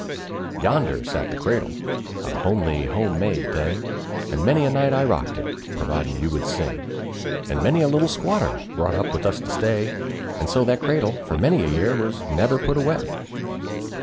Yonder sat the cradle a homely, home made thing, And many a night I rocked it, providin' you would sing; And many a little squatter brought up with us to stay And so that cradle, for many a year, was never put away.